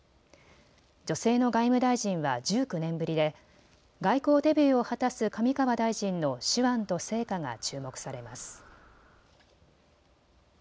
女性の外務大臣は１９年ぶりで外交デビューを果たす上川大臣の手腕と成果が注目されます。